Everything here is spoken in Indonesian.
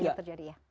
itu banyak terjadi ya